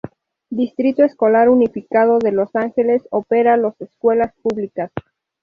Distrito Escolar Unificado de Los Ángeles opera los escuelas públicas.